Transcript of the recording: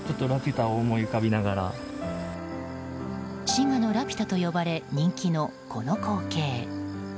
滋賀のラピュタと呼ばれ人気のこの光景。